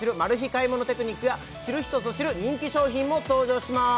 買い物テクニックや知る人ぞ知る人気商品も登場します